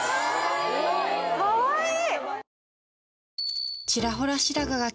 かわいい！